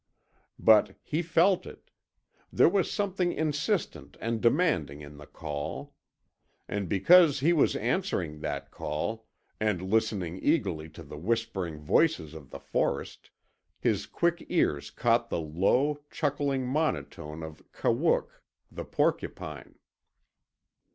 But he FELT it. There was something insistent and demanding in the call. And because he was answering that call, and listening eagerly to the whispering voices of the forest, his quick ears caught the low, chuckling monotone of Kawook, the porcupine.